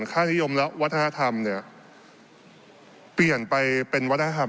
ค่านิยมและวัฒนธรรมเนี่ยเปลี่ยนไปเป็นวัฒนธรรม